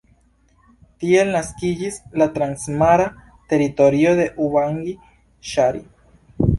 Tiel naskiĝis la Transmara Teritorio de Ubangi-Ŝari.